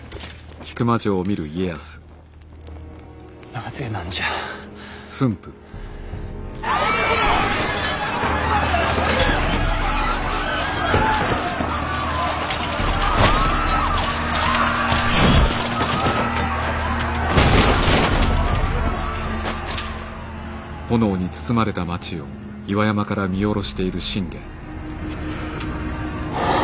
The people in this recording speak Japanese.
なぜなんじゃ。はあ。